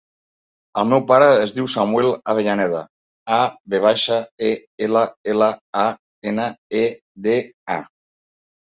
El meu pare es diu Samuel Avellaneda: a, ve baixa, e, ela, ela, a, ena, e, de, a.